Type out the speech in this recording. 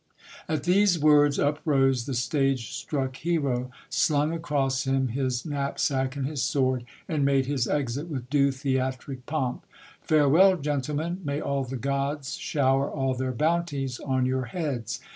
At these words, up rose the stage struck hero, slung across him his knapsack and his sword, and made his exit with due theatric pomp : Farewell, gentlemen ; may all the gods shower all their bounties on your heads